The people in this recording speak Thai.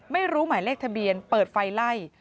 ไม่รู้หมายเลขทะเบียนเปิดไฟไล่